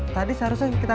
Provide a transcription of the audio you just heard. tadi seharusnya kita